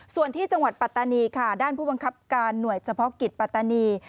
ส่วนที่จังหวัดปัตตานีค่ะด้านผู้บังคับการหน่วยเฉพาะกิจปัตตานี